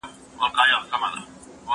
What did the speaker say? زه اوس کتابونه ليکم؟!؟!